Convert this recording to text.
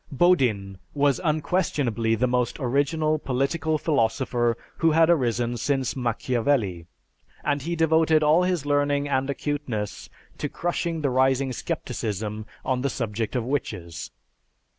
Bodin was unquestionably the most original political philosopher who had arisen since Machiavelli, and he devoted all his learning and acuteness to crushing the rising scepticism on the subject of witches.